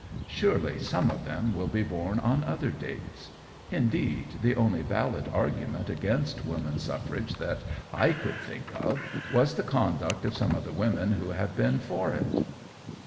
Surely some of them will be born on other dates. Indeed the only valid argument against woman suffrage that I could think of was the conduct of some of the women who have been for it.